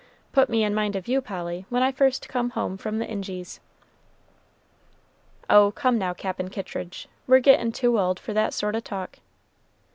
Put me in mind of you, Polly, when I first come home from the Injies." "Oh, come now, Cap'n Kittridge! we're gettin' too old for that sort o' talk."